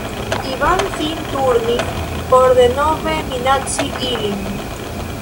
Ivan sin turnis por denove minaci ilin.